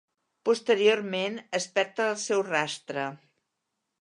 Posteriorment es perd el seu rastre.